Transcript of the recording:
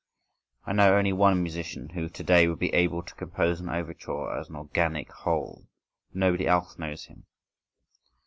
I know only one musician who to day would be able to compose an overture as an organic whole: and nobody else knows him.